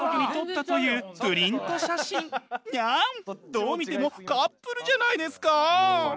どうみてもカップルじゃないですか！